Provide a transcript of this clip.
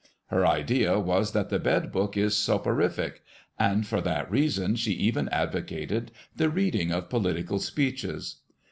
Her idea was that the bed book is soporific, and for that reason she even advocated the reading of political speeches.